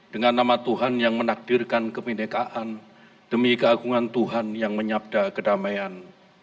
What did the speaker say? dengan nama tuhan yang menakdirkan kebenekaan demi keagungan tuhan yang menyabda kedamaian